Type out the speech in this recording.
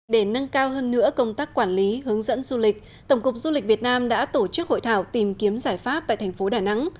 để nâng cao hơn nữa công tác quản lý hướng dẫn du lịch tổng cục du lịch việt nam đã tổ chức hội thảo tìm kiếm giải pháp tại thành phố đà nẵng